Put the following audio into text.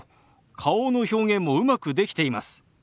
顔の表現もうまくできています。